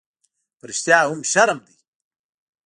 _په رښتيا هم، شرم دی؟